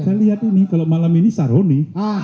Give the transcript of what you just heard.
bisa lihat ini kalau malam ini sahroni